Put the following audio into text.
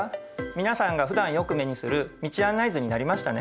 皆さんがふだんよく目にする道案内図になりましたね。